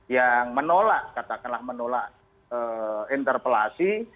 yang menolak katakanlah menolak interpelasi